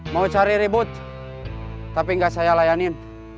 mau cari ribut tapi nggak saya layanin